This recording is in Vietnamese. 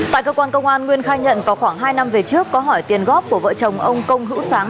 tại cơ quan công an nguyên khai nhận vào khoảng hai năm về trước có hỏi tiền góp của vợ chồng ông công hữu sáng